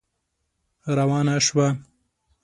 روانه شوه.